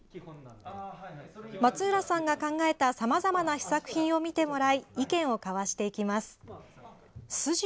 松浦さんが考えたさまざまな試作品を見てもらい意見を交わしていきます。